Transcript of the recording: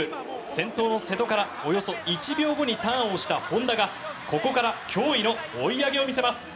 先頭の瀬戸からおよそ１秒後にターンをした本多がここから驚異の追い上げを見せます。